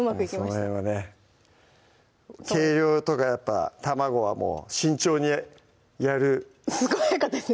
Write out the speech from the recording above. その辺はね計量とかやっぱ卵はもう慎重にやるすごい早かったですね